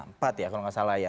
empat ya kalau nggak salah ya